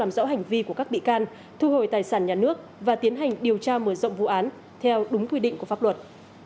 làm rõ hành vi của các bị can thu hồi tài sản nhà nước và tiến hành điều tra mở rộng vụ án theo đúng quy định của pháp luật